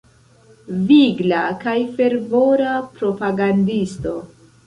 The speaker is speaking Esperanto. Vigla kaj fervora propagandisto.